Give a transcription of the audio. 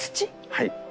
はい。